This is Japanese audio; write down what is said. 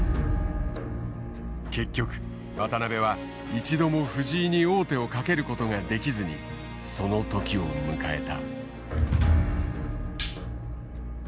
結局渡辺は一度も藤井に王手をかけることができずにその時を迎えた。